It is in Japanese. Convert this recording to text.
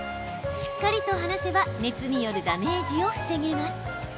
しっかりと離せば熱によるダメージを防げます。